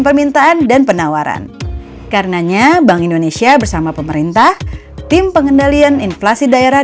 permintaan dan penawaran karenanya bank indonesia bersama pemerintah tim pengendalian inflasi daerah